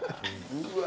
うわ！